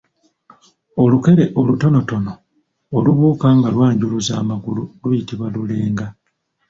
Olukere olutononotono olubuuka nga lwanjuluza amagulu luyitibwa lulenga.